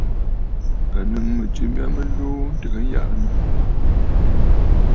À nɨ̌ŋ mɨ̀jɨ mya mɨ luu ntɨgə njaʼanə.